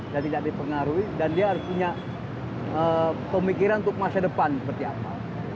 dan tidak dipengaruhi dan dia harus punya pemikiran untuk masa depan seperti apa